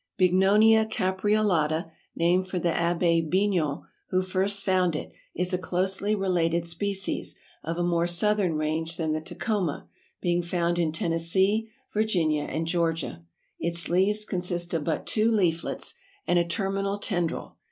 Bignonia capreolata, named for the Abbe Bignon, who first found it, is a closely related species, of a more southern range than the Tecoma, being found in Tennessee, Virginia and Georgia. Its leaves consist of but two leaflets and a terminal tendril.